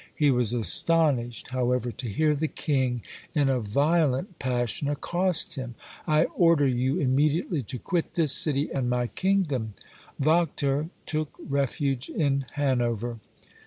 He was astonished, however, to hear the king, in a violent passion, accost him, "I order you immediately to quit this city and my kingdom." Wachter took refuge in Hanover.